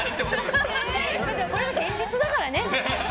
これが現実だからね。